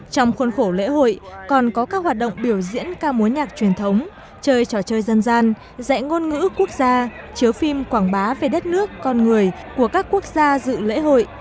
trong khuôn khổ lễ hội còn có các hoạt động biểu diễn ca mối nhạc truyền thống chơi trò chơi dân gian dạy ngôn ngữ quốc gia chiếu phim quảng bá về đất nước con người của các quốc gia dự lễ hội